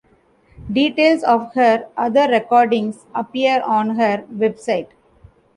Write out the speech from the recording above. Details of her other recordings appear on her website.